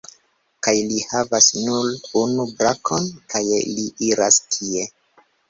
Kaj li havas nur unu brakon, kaj li iras tiel